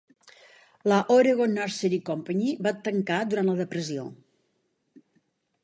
La Oregon Nursery Company va tancar durant la depressió.